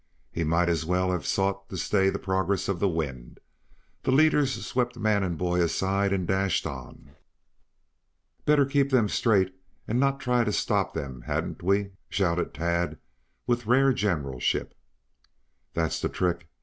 He might as well have sought to stay the progress of the wind. The leaders swept man and boy aside and dashed on. "Better keep them straight and not try to stop them, hadn't we?" shouted Tad, with rare generalship. "That's the trick!